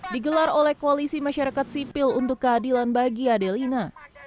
digelar oleh koalisi masyarakat sipil untuk keadilan bagi adelina